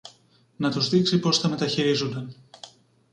να τους δείξει πώς τα μεταχειρίζουνταν.